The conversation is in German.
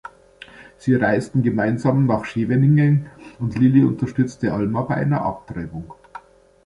Sie reisten gemeinsam nach Scheveningen, und Lilly unterstützte Alma bei einer Abtreibung.